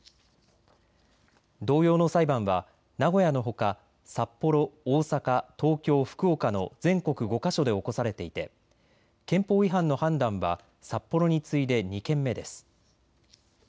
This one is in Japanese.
同様の裁判は名古屋のほか札幌、大阪、東京、福岡の全国５か所で起こされていて憲法違反の判断は札幌に次いで２件目です。